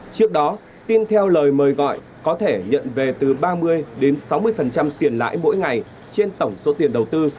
trước đó tin theo lời mời gọi có thể nhận về từ ba mươi đến sáu mươi tiền lãi mỗi ngày trên tổng số tiền đầu tư